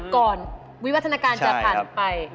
วิวัฒนาการจะผ่านไป